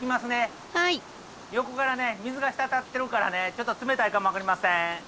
横からね水が滴ってるからねちょっと冷たいかも分かりません。